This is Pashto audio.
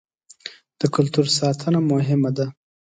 د کلتور ساتنه مهمه ده.